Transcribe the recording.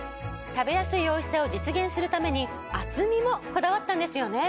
食べやすいおいしさを実現するために厚みもこだわったんですよね。